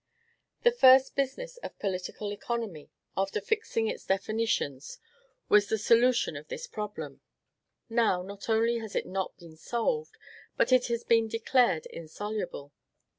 The first business of political economy, after fixing its definitions, was the solution of this problem; now, not only has it not been solved, but it has been declared insoluble.